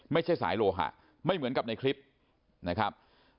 ไม่ใช่สายโลหะไม่เหมือนกับในคลิปนะครับ